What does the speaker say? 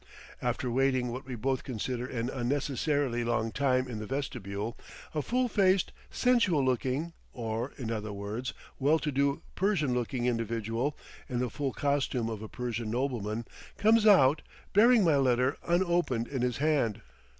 After waiting what we both consider an unnecessarily long time in the vestibule, a full faced, sensual looking, or, in other words, well to do Persian looking individual, in the full costume of a Persian nobleman, comes out, bearing my letter unopened in his hand.